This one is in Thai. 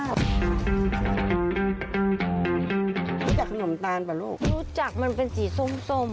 รู้จักขนมตาลป่ะลูกรู้จักมันเป็นสีส้มส้ม